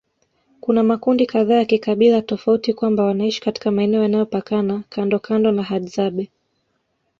Kuna makundi kadhaa ya kikabila tofauti kwamba wanaishi katika maeneo yanayopakana kandokando na Hadzabe